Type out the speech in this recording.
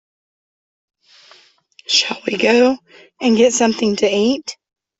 Shall we go and get something to eat?